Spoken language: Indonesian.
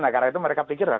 nah karena itu mereka pikir